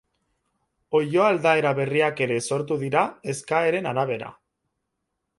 Oilo aldaera berriak ere sortu dira eskaeren arabera.